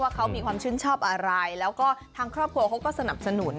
เขามีความชื่นชอบอะไรแล้วก็ทางครอบครัวเขาก็สนับสนุน